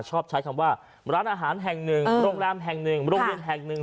ชอบใช้คำว่าร้านอาหารแห่งหนึ่งโรงแรมแห่งหนึ่งโรงเรียนแห่งหนึ่ง